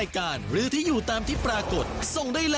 ใครเป็นผู้โชคดี